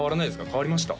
変わりました？